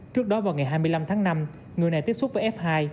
trước đó vào ngày hai mươi năm tháng năm người này tiếp xúc với f hai